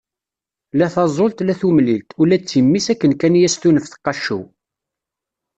La taẓult, la tumlilt, ula d timmi-s akken kan i as-tunef teqqaccew.